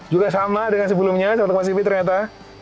juga sama dengan sebelumnya sahabat kompas tv ternyata